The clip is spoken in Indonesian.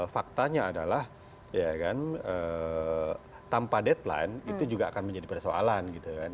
faktanya adalah ya kan tanpa deadline itu juga akan menjadi persoalan gitu kan